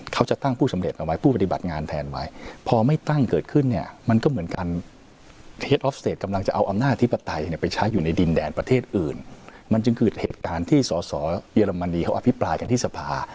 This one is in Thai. มันจึงคือเหตุการณ์ที่ส่อเยอรมนีเขาอภิปรายกันที่สภา